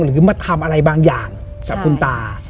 หรือมาทำอะไรบางอย่างกับคุณตา